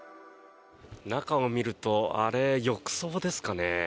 中を見るとあれ、浴槽ですかね。